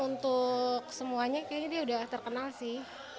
untuk semuanya kayaknya dia udah terkenal sih